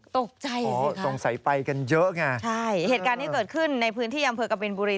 ตกใจสิคะใช่เหตุการณ์ที่เกิดขึ้นในพื้นที่อำเภอกะบินบุรี